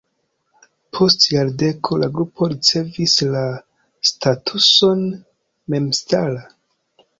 Post jardeko la grupo ricevis la statuson memstara.